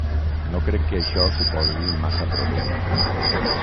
No crec que això suposi massa problema.